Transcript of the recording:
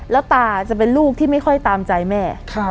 แล้วตาจะเป็นลูกที่ไม่ค่อยตามใจแม่